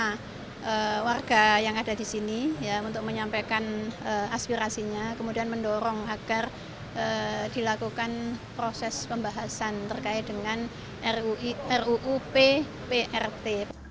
karena warga yang ada di sini untuk menyampaikan aspirasinya kemudian mendorong agar dilakukan proses pembahasan terkait dengan ruu pprt